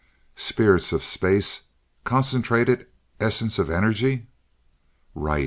"Spirits of space! Concentrated essence of energy!" "Right.